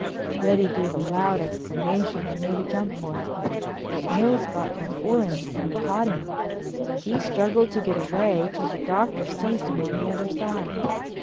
Reddy gave a loud exclamation and made a jump for it. But Mills got before him and caught him. He struggled to get away till the Doctor seized him on the other side.